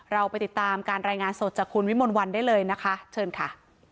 เราไปติดตามการรายงานสดจากคุณวิมลวันได้เลยนะคะเชิญค่ะ